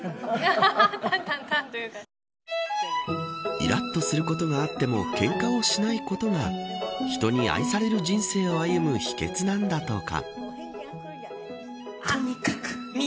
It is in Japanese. いらっとすることがあってもけんかをしないことが人に愛される人生を歩む秘訣なんだとか。